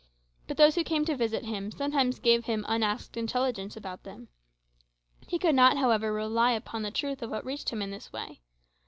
But those who came to visit him sometimes gave him unasked intelligence about them. He could not, however, rely upon the truth of what reached him in this way.